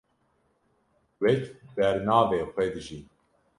wek bernavê xwe dijî